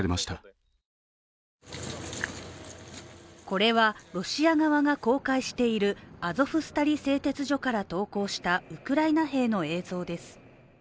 これはロシア側が公開しているアゾフスタリ製鉄所から投降したウクライナ兵の映像です。